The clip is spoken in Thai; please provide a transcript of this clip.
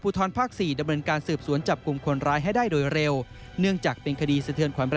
ภูมิปาราชาสตร์